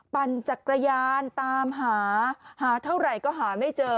ปั่นจักรยานตามหาหาเท่าไหร่ก็หาไม่เจอ